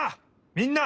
みんな！